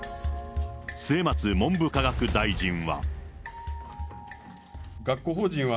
末松文部科学大臣は。